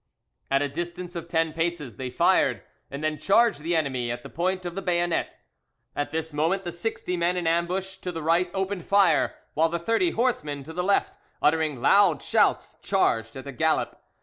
At a distance of ten paces they fired, and then charged the enemy at the point of the bayonet. At this moment the sixty men in ambush to the right opened fire, while the thirty horsemen to the left, uttering loud shouts, charged at a gallop.